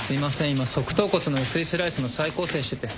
今側頭骨の薄いスライスの再構成してて。